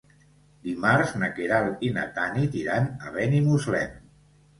Dimarts na Queralt i na Tanit iran a Benimuslem.